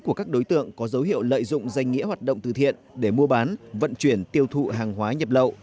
của các đối tượng có dấu hiệu lợi dụng danh nghĩa hoạt động từ thiện để mua bán vận chuyển tiêu thụ hàng hóa nhập lậu